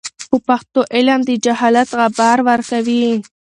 په پښتو علم د جهالت غبار ورکوي.